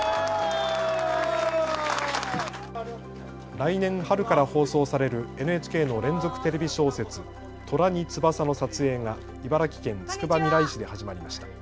来年春から放送されるＮＨＫの連続テレビ小説、虎に翼の撮影が茨城県つくばみらい市で始まりました。